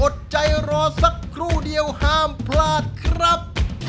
อดใจรอสักครู่เดียวห้ามพลาดครับ